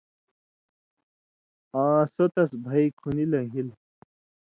آں سو تَس بھئ کُھنی لن٘گِھلیۡ۔